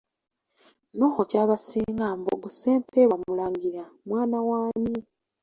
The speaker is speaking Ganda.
Noho Kyabasinga Mbogo Ssempebwa mulangira, mwana w'ani?